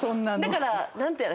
だからなんていうの？